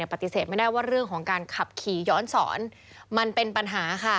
ปฏิเสธไม่ได้ว่าเรื่องของการขับขี่ย้อนสอนมันเป็นปัญหาค่ะ